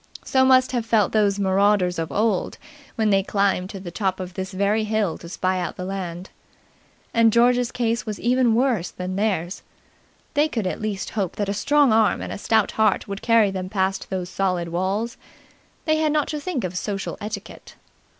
So must have felt those marauders of old when they climbed to the top of this very hill to spy out the land. And George's case was even worse than theirs. They could at least hope that a strong arm and a stout heart would carry them past those solid walls; they had not to think of social etiquette.